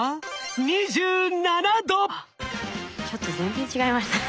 あっちょっと全然違いましたね。